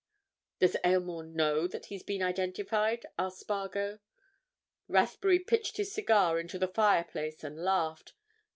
"Does Aylmore know that he's been identified?" asked Spargo. Rathbury pitched his cigar into the fireplace and laughed.